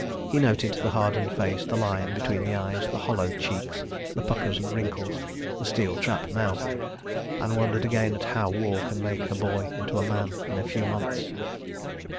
He noted the hardened face, the line between the eyes, the hollowed cheeks, the puckers and wrinkles, the steel trap mouth, and wondered again at how War can make a boy into a Man in a few months.